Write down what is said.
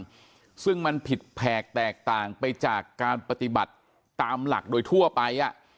ปฏิบัติต่างซึ่งมันผิดแผกแตกต่างไปจากการปฏิบัติตามหลักโดยทั่วไป